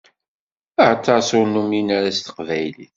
Aṭas ur numin ara s teqbaylit.